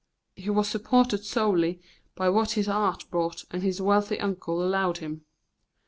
He was supported solely by what his art brought and his wealthy uncle allowed him.